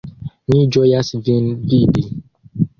Mi ĝojas vin vidi!